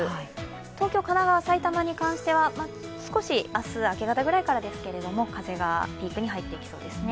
東京、神奈川、埼玉については、明日明け方くらいからですけれども風がピークに入っていきそうですね。